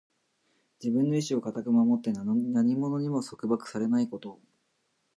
自分の意志を固く守って、何者にも束縛されないこと。